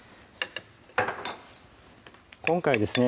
今回ですね